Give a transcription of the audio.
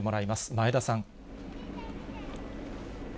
前田さん。